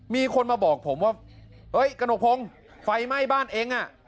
มีคนมาบอกผมว่าเฮ้ยกระหนกพงศ์ไฟไหม้บ้านเองอ่ะ